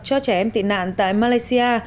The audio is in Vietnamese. cho trẻ em tị nạn tại malaysia